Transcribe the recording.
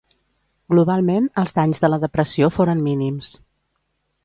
Globalment, els danys de la depressió foren mínims.